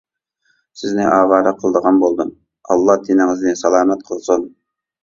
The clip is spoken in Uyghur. سىزنى ئاۋارە قىلىدىغان بولدۇم. ئاللا تىنىڭىزنى سالامەت قىلسۇن.